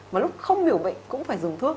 mà lúc không hiểu bệnh cũng phải dùng thuốc